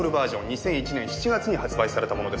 ２００１年７月に発売されたものです。